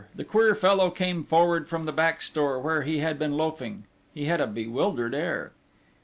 The queer fellow came forward from the back store, where he had been loafing: he had a bewildered air.